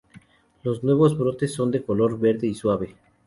Los nuevos brotes son de color verde y suave.